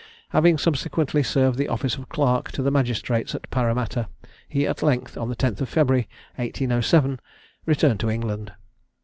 Having subsequently served the office of clerk to the magistrates at Paramatta, he at length, on the 10th February, 1807, returned to England.